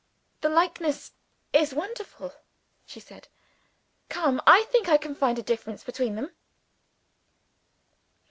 "The likeness is wonderful," she said. "Still, I think I can find a difference between them."